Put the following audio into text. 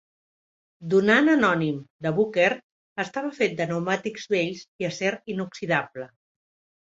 "Donant anònim", de Booker, estava fet de pneumàtics vells i acer inoxidable.